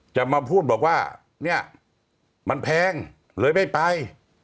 จะมาพูดบอกว่าเนี่ยมันแพงเลยไม่ไป